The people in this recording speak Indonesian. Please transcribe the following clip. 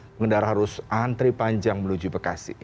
pengendara harus antri panjang menuju bekasi